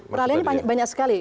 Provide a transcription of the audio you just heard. kali ini banyak sekali